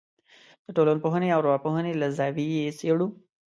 د ټولنپوهنې او ارواپوهنې له زاویې یې څېړو.